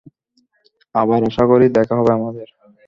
আবার আশা করি দেখা হবে আমাদের।